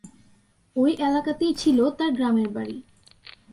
ওই এলাকাতেই ছিল তার গ্রামের বাড়ি।